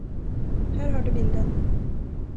Där har du bilden.